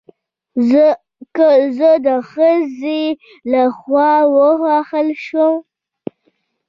که زه د خځې له خوا ووهل شم